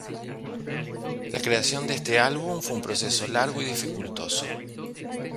La creación de este álbum fue un proceso largo y dificultoso.